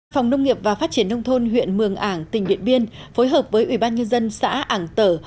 phòng nông nghiệp và phát triển nông thôn huyện mường ảng tỉnh điện biên phối hợp với ủy ban nhân dân xã ảng tở